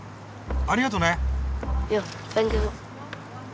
ありがとね。